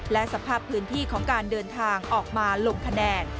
และสภาพพื้นที่ของการเดินทางออกมาลงคะแนน